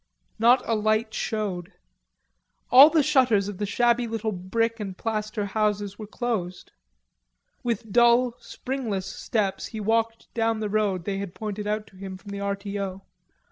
Not a light showed. All the shutters of the shabby little brick and plaster houses were closed. With dull springless steps he walked down the road they had pointed out to him from the R. T. O.